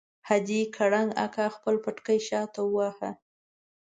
حاجي کړنګ اکا خپل پټکی شاته وواهه.